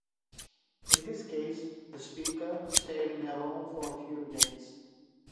In this case, the speaker stayed in Rome for a few days.